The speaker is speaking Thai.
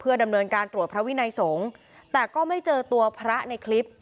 ดำเนินการตรวจพระวินัยสงฆ์แต่ก็ไม่เจอตัวพระในคลิป